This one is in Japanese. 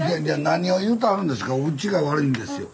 何を言うてはるんですかうちが悪いんですよ。